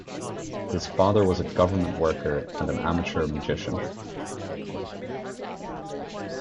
His father was a government worker and an amateur magician.